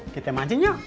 kita mancing yuk